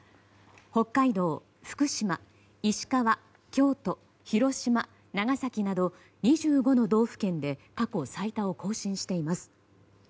北海道、福島、石川、京都、広島長崎など、２５の道府県で過去最多を更新しています。